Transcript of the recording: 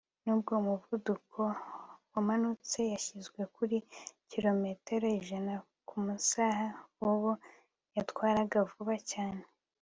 Nubwo umuvuduko wamanutse washyizwe kuri kilometero ijana kumasaha Bobo yatwaraga vuba cyane